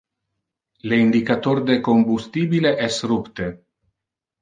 Le indicator de combustibile es rupte.